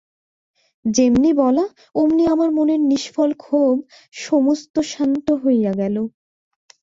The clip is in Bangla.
যেমনি বলা অমনি আমার মনের নিষ্ফল ক্ষোভ সমস্ত শান্ত হইয়া গেল।